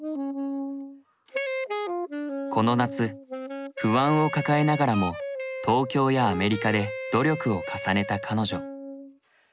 この夏不安を抱えながらも東京やアメリカで努力を重ねた彼女。